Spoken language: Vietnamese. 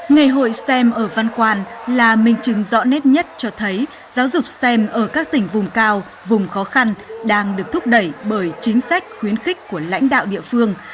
ngày hội stem ở văn quan là minh chứng rõ nét nhất cho thấy giáo dục stem ở các tỉnh vùng cao vùng khó khăn đang được thúc đẩy bởi chính sách khuyến khích của lãnh đạo địa phương